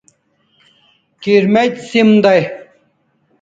Kirmec' sim day